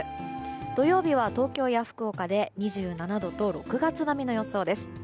土曜日は東京や福岡で２７度と６月並みの予想です。